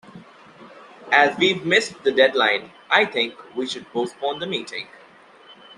As we've missed the deadline, I think we should postpone the meeting.